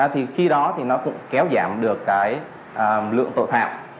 thì khi đó thì nó cũng kéo giảm được cái lượng tội phạm